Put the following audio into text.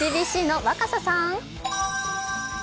ＣＢＣの若狭さん。